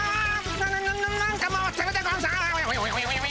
なななんか回ってるでゴンス。